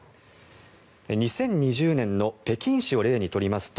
２０２０年の北京市を例に取りますと